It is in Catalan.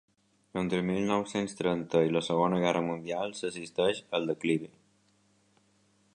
Entre mil nou-cents trenta i la segona guerra mundial s'assisteix al declivi.